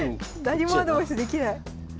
何もアドバイスできない。